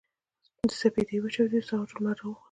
د سپـېدې وچـاودې سـهار شـو لمـر راوخـت.